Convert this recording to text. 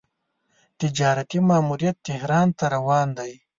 تجارتي ماموریت تهران ته روان دی.